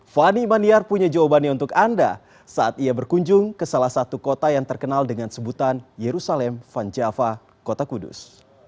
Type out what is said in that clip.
fani maniar punya jawabannya untuk anda saat ia berkunjung ke salah satu kota yang terkenal dengan sebutan yerusalem van java kota kudus